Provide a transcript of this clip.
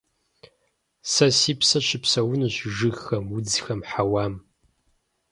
Сэ си псэр щыпсэунцущ жыгхэм, удзхэм, хьэуам.